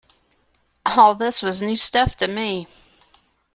All this was new stuff to me.